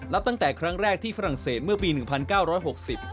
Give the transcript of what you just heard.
แล้วตั้งแต่ครั้งแรกที่ฝรั่งเศสเมื่อปี๑๙๖๐